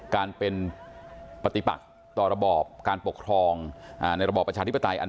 การปฏิปัตย์ต่อระบอบการปกทองในระบอบประชาธิปไตัย